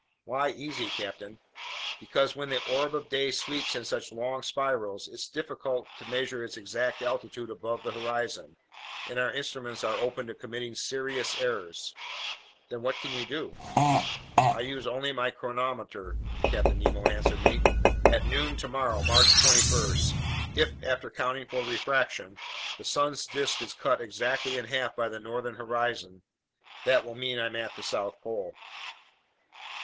"Why easy, captain?" "Because when the orb of day sweeps in such long spirals, it's difficult to measure its exact altitude above the horizon, and our instruments are open to committing serious errors." "Then what can you do?" "I use only my chronometer," Captain Nemo answered me. "At noon tomorrow, March 21, if, after accounting for refraction, the sun's disk is cut exactly in half by the northern horizon, that will mean I'm at the South Pole."